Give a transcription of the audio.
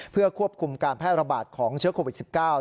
เพื่อควบคุมการแพร่ระบาดของเชื้อโควิด๑๙